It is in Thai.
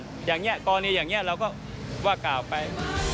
กรงิดอย่างนี้เราก็ว่ากาวไป